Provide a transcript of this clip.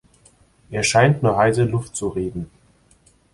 Er scheint nur heiße Luft zu reden.